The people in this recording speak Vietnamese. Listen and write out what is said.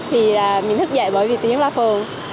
thì mình thức dậy bởi vì tiếng loa phường